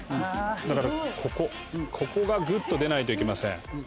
だからここここがぐっと出ないといけません。